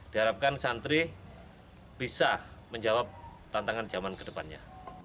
diharapkan santri bisa menjawab tantangan zaman ke depannya